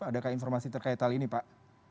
adakah informasi terkait hal ini pak